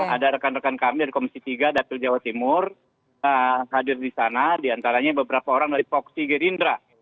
ada rekan rekan kami dari komisi tiga dapil jawa timur hadir di sana diantaranya beberapa orang dari voksi gerindra